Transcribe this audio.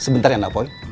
sebentar ya nak poin